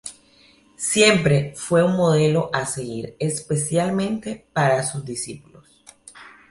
Siempre fue un modelo a seguir, especialmente para sus discípulos.